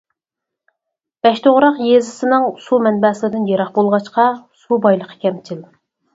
بەشتوغراق يېزىسىنىڭ سۇ مەنبەسىدىن يىراق بولغاچقا، سۇ بايلىقى كەمچىل.